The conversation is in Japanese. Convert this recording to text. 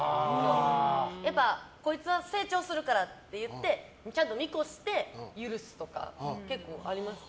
やっぱ、こいつは成長するからって言ってちゃんと見越して許すとか結構あります。